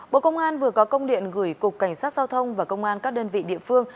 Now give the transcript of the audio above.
bộ công an vừa có công điện gửi cục cảnh sát giao thông và công an các đơn vị địa phương